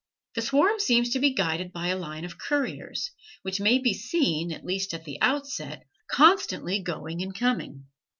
The swarm seems to be guided by a line of couriers, which may be seen (at least at the outset) constantly going and coming.